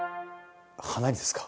花にですか？